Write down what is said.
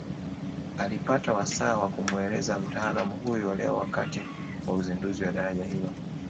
Alipata wasaa wa kumueleza mtaalamu huyo leo wakati wa uzinduzi wa daraja hilo